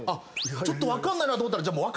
ちょっと分かんないと思ったら。